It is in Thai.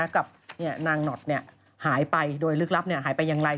กับนางหนอดหายไปโดยลึกลับหายไปอย่างไร